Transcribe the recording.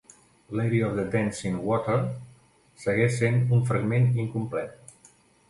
"Lady Of The Dancing Water" segueix sent un fragment incomplet.